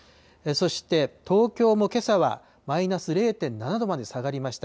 そして東京もけさはマイナス０．７度まで下がりました。